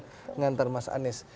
mengantar mas anies